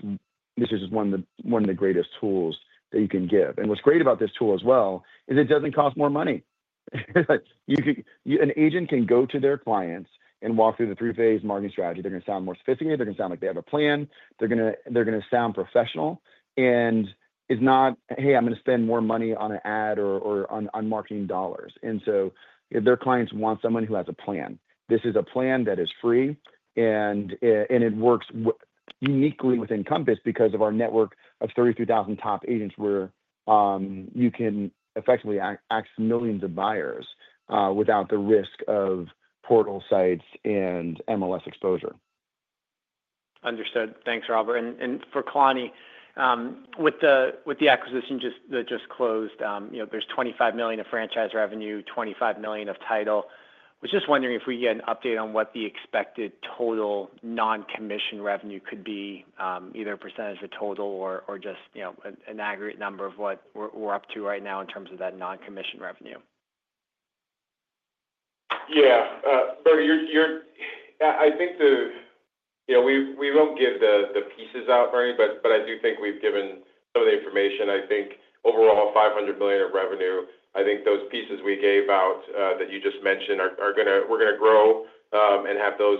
one of the greatest tools that you can give. What's great about this tool as well is it doesn't cost more money. An agent can go to their clients and walk through the three-phase marketing strategy. They're going to sound more sophisticated. They're going to sound like they have a plan. They're going to sound professional. It's not, "Hey, I'm going to spend more money on an ad or on marketing dollars." Their clients want someone who has a plan. This is a plan that is free, and it works uniquely within Compass because of our network of 33,000 top agents where you can effectively access millions of buyers without the risk of portal sites and MLS exposure. Understood. Thanks, Robert. And for Kalani, with the acquisition that just closed, there's $25 million of franchise revenue, $25 million of title. I was just wondering if we could get an update on what the expected total non-commission revenue could be, either a percentage of total or just an aggregate number of what we're up to right now in terms of that non-commission revenue. Yeah. I think we won't give the pieces out, Bernie, but I do think we've given some of the information. I think overall, $500 million of revenue. I think those pieces we gave out that you just mentioned, we're going to grow and have those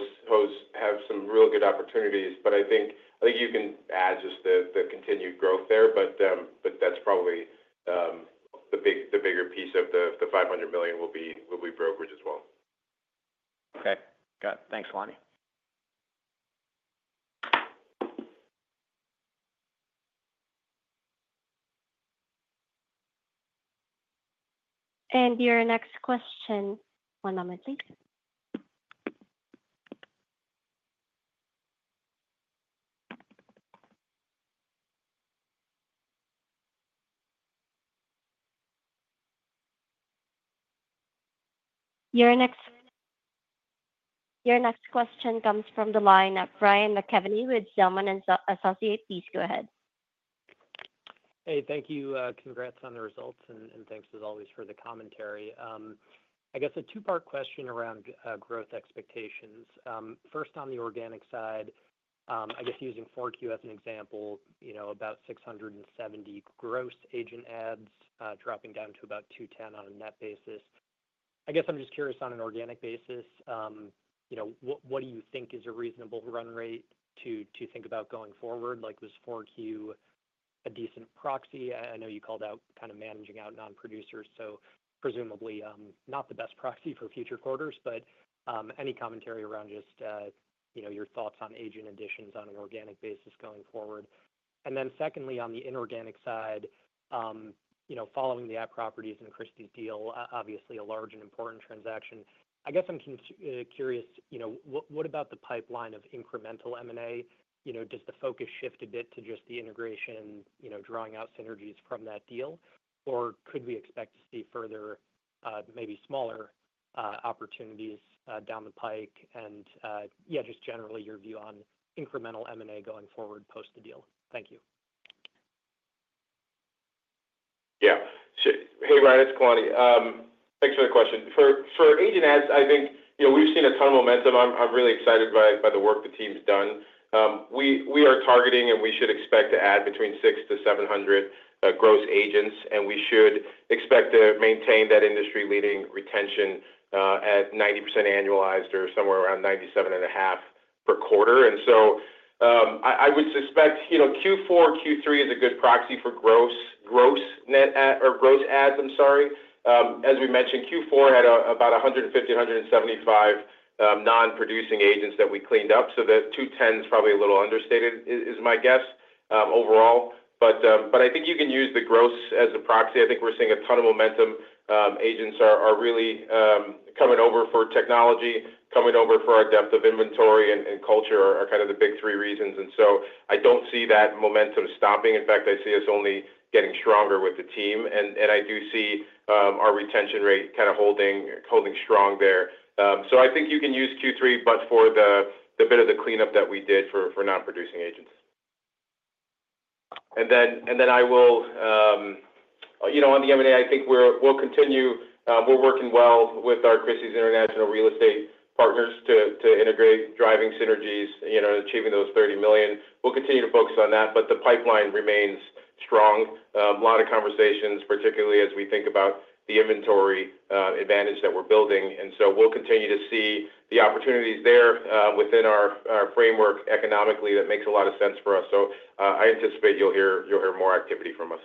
have some real good opportunities. But I think you can add just the continued growth there, but that's probably the bigger piece of the $500 million will be brokerage as well. Okay. Got it. Thanks, Kalani. And your next question. One moment, please. Your next question comes from the line of Ryan McKeveny with Zelman & Associates. Please go ahead. Hey, thank you. Congrats on the results, and thanks as always for the commentary. I guess a two-part question around growth expectations. First, on the organic side, I guess using 4Q as an example, about 670 gross agent adds dropping down to about 210 on a net basis. I guess I'm just curious on an organic basis, what do you think is a reasonable run rate to think about going forward? Was 4Q a decent proxy? I know you called out kind of managing out non-producers, so presumably not the best proxy for future quarters, but any commentary around just your thoughts on agent additions on an organic basis going forward? And then secondly, on the inorganic side, following the @properties and Christie's deal, obviously a large and important transaction, I guess I'm curious, what about the pipeline of incremental M&A? Does the focus shift a bit to just the integration, drawing out synergies from that deal, or could we expect to see further, maybe smaller opportunities down the pike? And yeah, just generally your view on incremental M&A going forward post the deal. Thank you. Yeah. Hey, Ryan, it's Kalani. Thanks for the question. For agent adds, I think we've seen a ton of momentum. I'm really excited by the work the team's done. We are targeting, and we should expect to add between 600 and 700 gross agents, and we should expect to maintain that industry-leading retention at 90% annualized or somewhere around 97.5% per quarter. So I would suspect Q4, Q3 is a good proxy for gross adds. I'm sorry. As we mentioned, Q4 had about 150-175 non-producing agents that we cleaned up, so that 210 is probably a little understated, is my guess overall. But I think you can use the gross as a proxy. I think we're seeing a ton of momentum. Agents are really coming over for technology, coming over for our depth of inventory, and culture are kind of the big three reasons. And so I don't see that momentum stopping. In fact, I see us only getting stronger with the team, and I do see our retention rate kind of holding strong there. So I think you can use Q3, but for the bit of the cleanup that we did for non-producing agents. And then I will. On the M&A, I think we'll continue. We're working well with our Christie's International Real Estate partners to integrate, driving synergies, achieving those $30 million. We'll continue to focus on that, but the pipeline remains strong. A lot of conversations, particularly as we think about the inventory advantage that we're building. And so we'll continue to see the opportunities there within our framework economically that makes a lot of sense for us. So I anticipate you'll hear more activity from us.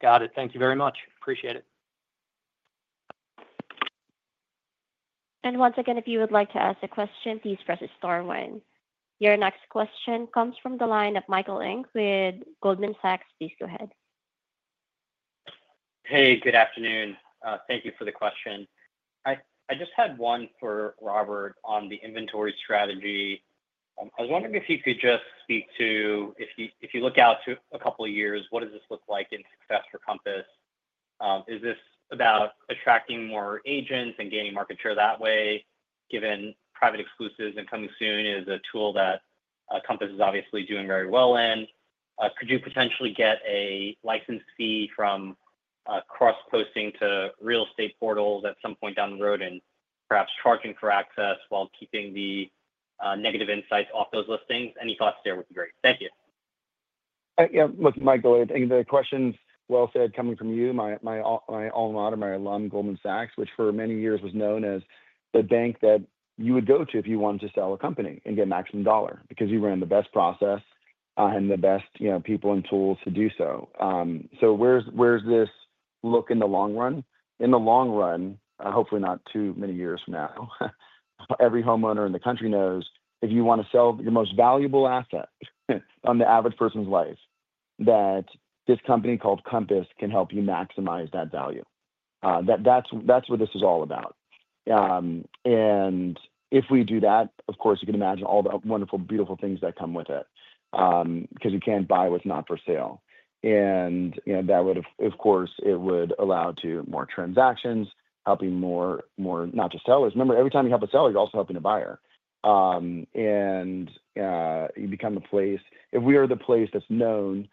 Got it. Thank you very much. Appreciate it. Once again, if you would like to ask a question, please press star one. Your next question comes from the line of Michael Ng with Goldman Sachs. Please go ahead. Hey, good afternoon. Thank you for the question. I just had one for Robert on the inventory strategy. I was wondering if you could just speak to, if you look out to a couple of years, what does this look like in success for Compass? Is this about attracting more agents and gaining market share that way, given Private Exclusives and Coming Soon is a tool that Compass is obviously doing very well in? Could you potentially get a license fee from cross-posting to real estate portals at some point down the road and perhaps charging for access while keeping the negative insights off those listings? Any thoughts there would be great. Thank you. Yeah. Look, Michael, the question's well said coming from you, my alma mater, my alum, Goldman Sachs, which for many years was known as the bank that you would go to if you wanted to sell a company and get maximum dollar because you ran the best process and the best people and tools to do so. So where's this look in the long run? In the long run, hopefully not too many years from now, every homeowner in the country knows if you want to sell your most valuable asset on the average person's life, that this company called Compass can help you maximize that value. That's what this is all about. And if we do that, of course, you can imagine all the wonderful, beautiful things that come with it because you can't buy what's not for sale. That would, of course, allow for more transactions, helping more, not just sellers. Remember, every time you help a seller, you're also helping a buyer. You become a place, if we are the place that's known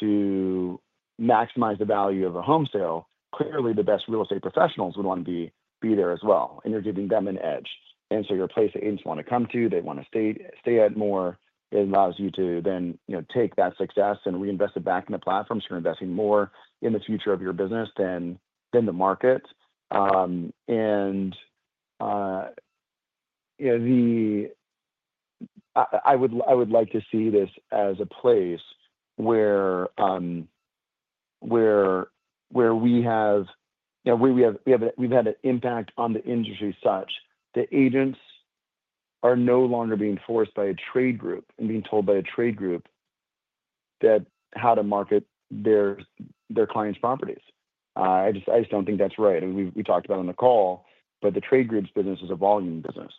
to maximize the value of a home sale, clearly the best real estate professionals would want to be there as well. You're giving them an edge. You're a place that agents want to come to. They want to stay there more. It allows you to then take that success and reinvest it back in the platforms. You're investing more in the future of your business than the market. I would like to see this as a place where we've had an impact on the industry such that agents are no longer being forced by a trade group and being told by a trade group how to market their clients' properties. I just don't think that's right. I mean, we talked about it on the call, but the trade group's business is a volume business.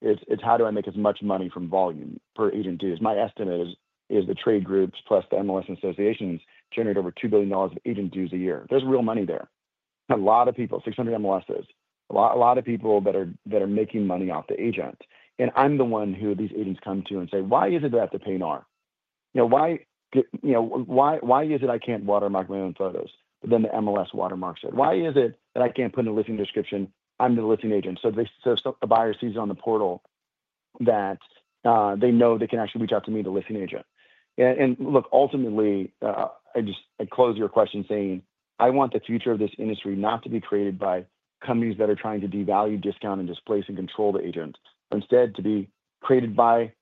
It's how do I make as much money from volume per agent dues. My estimate is the trade groups plus the MLS associations generate over $2 billion of agent dues a year. There's real money there. A lot of people, 600 MLSs, a lot of people that are making money off the agent. I'm the one who these agents come to and say, "Why is it that I have to pay NAR? Why is it I can't watermark my own photos?" but then the MLS watermarks it. "Why is it that I can't put in a listing description? I'm the listing agent." So the buyer sees on the portal that they know they can actually reach out to me, the listing agent. And look, ultimately, I close your question saying, "I want the future of this industry not to be created by companies that are trying to devalue, discount, and displace and control the agents, but instead to be created by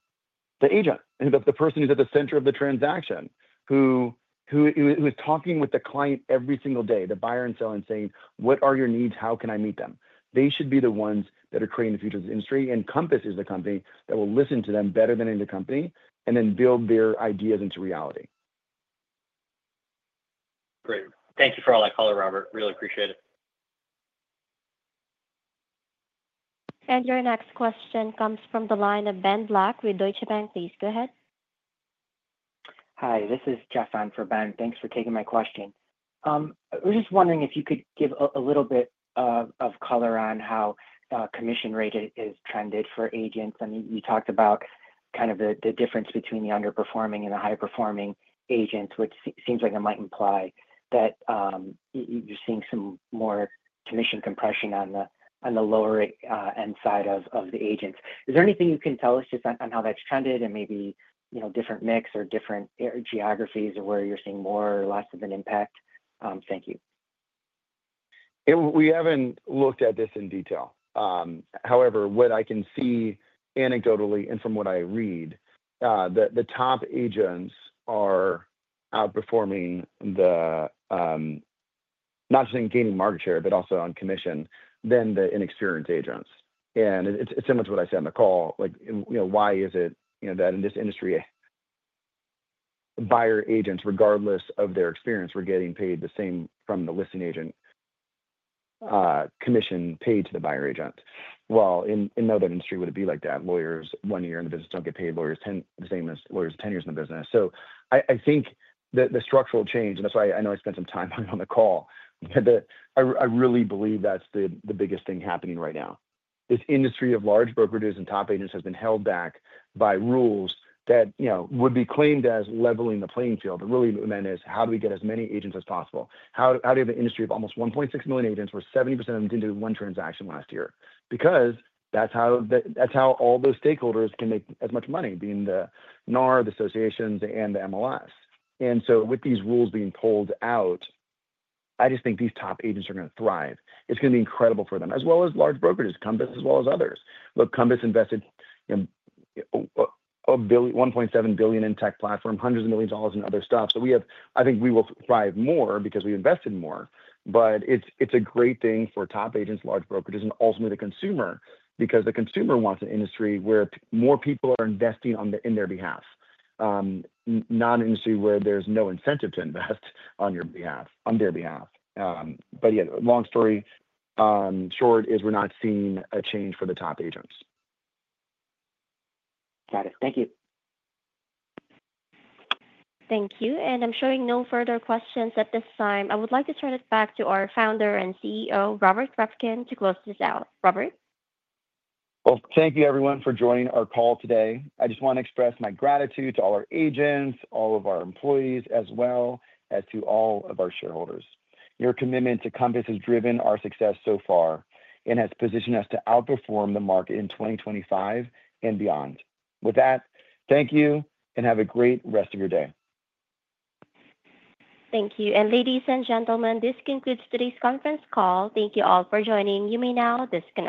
the agent, the person who's at the center of the transaction, who is talking with the client every single day, the buyer and seller, and saying, 'What are your needs? How can I meet them?'" They should be the ones that are creating the future of this industry. Compass is the company that will listen to them better than any other company and then build their ideas into reality. Great. Thank you for all that, Robert. Really appreciate it. Your next question comes from the line of Ben Black with Deutsche Bank. Please go ahead. Hi. This is Jeff on for Ben. Thanks for taking my question. I was just wondering if you could give a little bit of color on how commission rate is trended for agents. I mean, you talked about kind of the difference between the underperforming and the high-performing agents, which seems like it might imply that you're seeing some more commission compression on the lower-end side of the agents. Is there anything you can tell us just on how that's trended and maybe different mix or different geographies or where you're seeing more or less of an impact? Thank you. We haven't looked at this in detail. However, what I can see anecdotally and from what I read, the top agents are outperforming not just in gaining market share, but also on commission than the inexperienced agents. And it's similar to what I said on the call. Why is it that in this industry, buyer agents, regardless of their experience, were getting paid the same from the listing agent commission paid to the buyer agent? Well, in another industry, would it be like that? Lawyers, one year in the business, don't get paid. Lawyers, the same as lawyers with 10 years in the business. So I think the structural change, and that's why I know I spent some time on the call, but I really believe that's the biggest thing happening right now. This industry of large brokerages and top agents has been held back by rules that would be claimed as leveling the playing field, but really, the demand is, how do we get as many agents as possible? How do you have an industry of almost 1.6 million agents where 70% of them didn't do one transaction last year? Because that's how all those stakeholders can make as much money, being the NAR, the associations, and the MLS, and so with these rules being pulled out, I just think these top agents are going to thrive. It's going to be incredible for them, as well as large brokerages, Compass, as well as others. Look, Compass invested $1.7 billion in tech platform, hundreds of millions of dollars in other stuff, so I think we will thrive more because we invested more. But it's a great thing for top agents, large brokerages, and ultimately the consumer because the consumer wants an industry where more people are investing on their behalf, not an industry where there's no incentive to invest on their behalf. But yeah, long story short is we're not seeing a change for the top agents. Got it. Thank you. Thank you. And I'm showing no further questions at this time. I would like to turn it back to our Founder and CEO, Robert Reffkin, to close this out. Robert? Thank you, everyone, for joining our call today. I just want to express my gratitude to all our agents, all of our employees as well, as to all of our shareholders. Your commitment to Compass has driven our success so far and has positioned us to outperform the market in 2025 and beyond. With that, thank you and have a great rest of your day. Thank you. And ladies and gentlemen, this concludes today's conference call. Thank you all for joining. You may now disconnect.